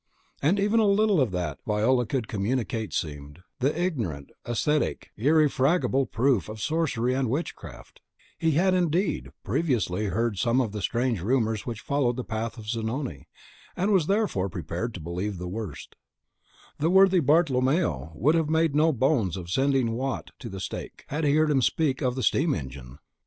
And even the little that Viola could communicate seemed, to the ignorant ascetic, irrefragable proof of sorcery and witchcraft; he had, indeed, previously heard some of the strange rumours which followed the path of Zanoni, and was therefore prepared to believe the worst; the worthy Bartolomeo would have made no bones of sending Watt to the stake, had he heard him speak of the steam engine.